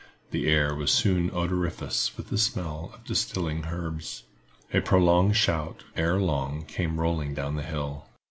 The air was soon odoriferous with the smell of distilling herbs. A prolonged shout, ere long, came rolling down the hill.